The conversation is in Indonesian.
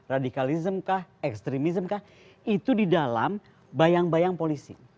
radikalisme kah ekstremisme kah itu di dalam bayang bayang polisi